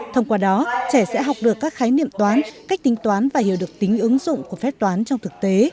thông qua đó trẻ sẽ học được các khái niệm toán cách tính toán và hiểu được tính ứng dụng của phép toán trong thực tế